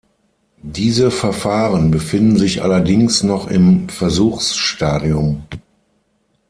Diese Verfahren befinden sich allerdings noch im Versuchsstadium.